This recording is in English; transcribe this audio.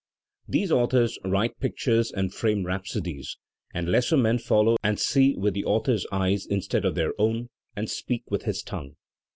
These authors write pictures and frame rhapsodies, and lesser men follow and see with the author's eyes instead of their own, and speak with his tongue."